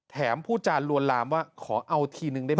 ผู้จานลวนลามว่าขอเอาทีนึงได้ไหม